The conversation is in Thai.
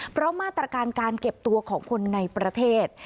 เพราะมาตรการการเก็บตัวของคนในประเทศ